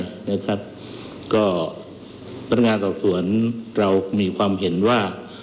พนักงานสอบส่วนเรามีความเห็นว่า